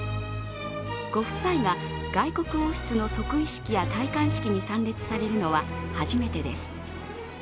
ご夫妻が外国王室の即位式や戴冠式に参列されるのは初めてです。